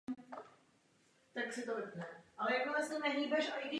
Dokumentoval práci italských umělců a sochařů.